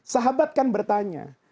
sahabat kan bertanya